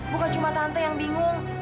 bukan cuma tante yang bingung